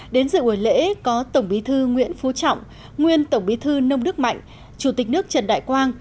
đến dự buổi lễ có tổng bí thư nguyễn phú trọng nguyên tổng bí thư nông đức mạnh chủ tịch nước trần đại quang